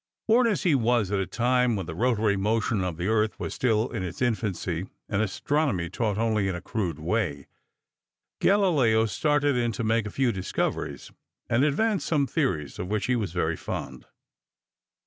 Born as he was, at a time when the rotary motion of the earth was still in its infancy and astronomy taught only in a crude way, Galileo started in to make a few discoveries and advance some theories of which he was very fond.